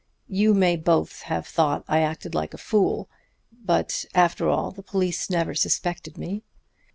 You may both have thought I acted like a fool. But after all the police never suspected me.